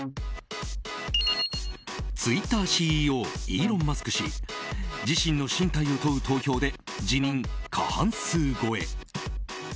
ツイッターＣＥＯイーロン・マスク氏自身の進退を問う投票で辞任過半数超え。